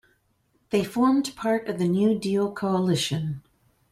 They formed part of the New Deal Coalition.